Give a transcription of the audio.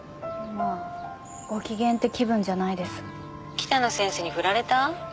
北野先生に振られた？